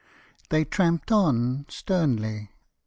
They tramped on sternly.